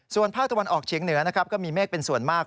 ส่วนภาคตะวันออกเฉียงเหนือนะครับก็มีเมฆเป็นส่วนมาก